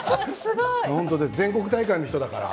全国大会の人だから。